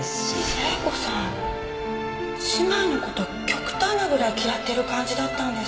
玲子さん姉妹のこと極端なぐらい嫌ってる感じだったんです